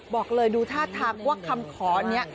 บอกเลยดูท่าทางว่าคำขอนี้